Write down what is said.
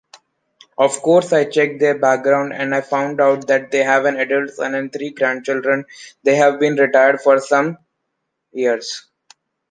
Of course I checked their background and I found out that they have an adult son and three grandchildren, they have been retired for some years...